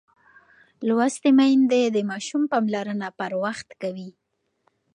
لوستې میندې د ماشوم پاملرنه پر وخت کوي.